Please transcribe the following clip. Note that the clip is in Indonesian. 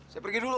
saya pergi dulu